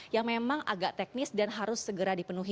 yang memang agak teknis dan harus segera dipenuhi